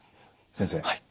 先生。